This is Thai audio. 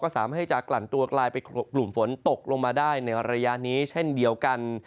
สามารถให้จะกลั่นตัวกลายเป็นกลุ่มฝนตกลงมาได้ในระยะนี้เช่นเดียวกัน